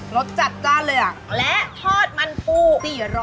รสจัดเลยอ่ะและทอดมันปู่๔๒๐บาท